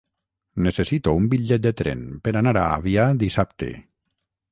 Necessito un bitllet de tren per anar a Avià dissabte.